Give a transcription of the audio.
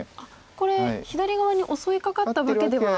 これ左側に襲いかかったわけでは。